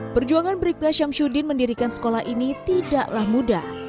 perjuangan bribka syamsuddin mendirikan sekolah ini tidaklah mudah